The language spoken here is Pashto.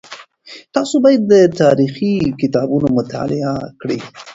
تاسو باید تاریخي کتابونه مطالعه کړئ.